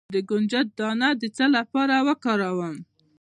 د کنجد دانه د څه لپاره وکاروم؟